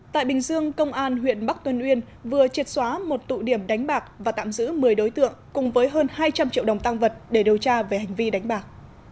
tại bình dương công an huyện bắc tân uyên vừa triệt xóa một tụ điểm đánh bạc và tạm giữ một mươi đối tượng cùng với hơn hai trăm linh triệu đồng tăng vật để điều tra về hành vi đánh bạc